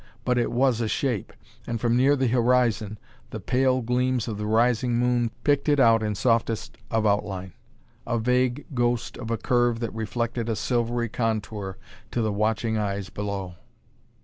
But it was a shape, and from near the horizon the pale gleams of the rising moon picked it out in softest of outline; a vague ghost of a curve that reflected a silvery contour to the watching eyes below.